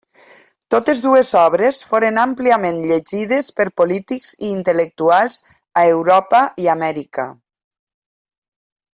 Totes dues obres foren àmpliament llegides per polítics i intel·lectuals a Europa i Amèrica.